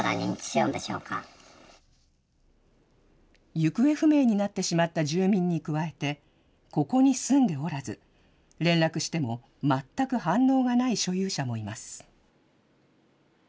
行方不明になってしまった住民に加えて、ここに住んでおらず、連絡しても全く反応がない所有者もいます。